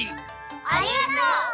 ありがとう！